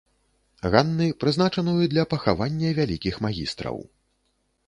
Ганны, прызначаную для пахавання вялікіх магістраў.